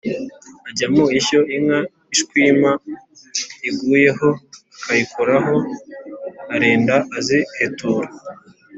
ajya mu ishyo, inka ishwima iguyeho akayikoraho, arinda azihetura